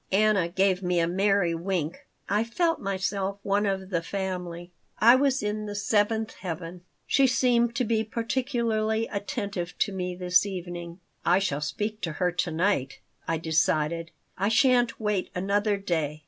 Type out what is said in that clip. Anna gave me a merry wink. I felt myself one of the family. I was in the seventh heaven. She seemed to be particularly attentive to me this evening "I shall speak to her to night," I decided. "I sha'n't wait another day."